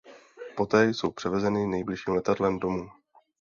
Poté jsou převezeny nejbližším letadlem domů.